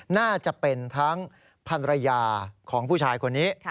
น่าจะเป็นทั้งพันรยาของผู้ชายคนนี้